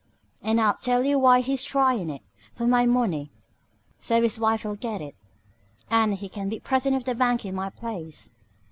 An' I'll tell you why he's tryin' it. For my money. So his wife'll get it, an' he can be president of the bank in my place."